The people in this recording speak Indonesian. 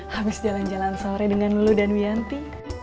habis jalan jalan sore dengan lulu dan wiyanti